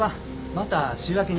また週明けに。